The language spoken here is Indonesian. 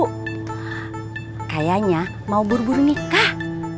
kayanya mau buru buru nikah